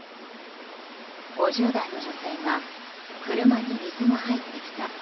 ５０代の女性が車に水が入ってきた。